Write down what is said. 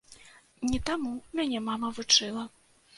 Не таму мяне мама вучыла.